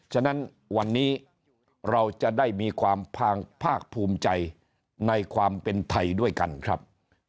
ฉะนั้นวันนี้เราจะได้มีความภาคภูมิใจในความเป็นไทยด้วยกันครับ